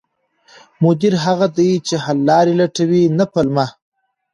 مدیر هغه دی چې حل لارې لټوي، نه پلمه